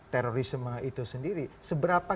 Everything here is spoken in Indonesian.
terorisme itu sendiri seberapa